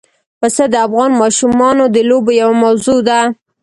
پسه د افغان ماشومانو د لوبو یوه موضوع ده.